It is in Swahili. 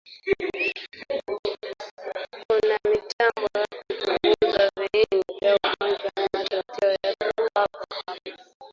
Kuna mitambo ya kuchunguza viini vya magonjwa na matokeo ya papo hapo